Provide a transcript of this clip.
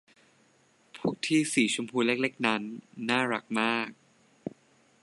พวกที่สีชมพูเล็ก ๆ นั้นน่ารักมาก